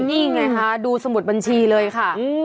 นี่ไงคะดูสมุดบัญชีเลยค่ะ